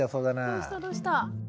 どうしたどうした？